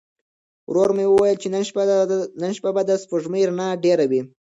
ورور مې وویل چې نن شپه به د سپوږمۍ رڼا ډېره وي.